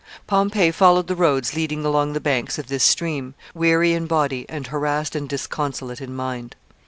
Pompey followed the roads leading along the banks of this stream, weary in body, and harassed and disconsolate in mind.